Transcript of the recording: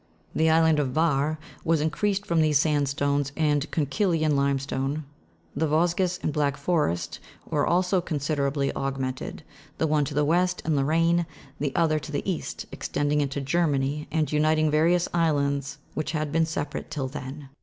The island of Var was increased from these sandstones and con ch ylian limestone ; the Vosges and Black Forest were also con siderably augmented, the one to the west, in Lorraine, the other to the east, extending into Germany, and uniting various islands which had been separate till then.